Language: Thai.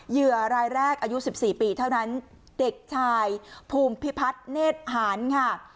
เหยื่อรายแรกอายุ๑๔ปีเท่านั้นเด็กชายภูมิพิพัฒน์เนธหารค่ะ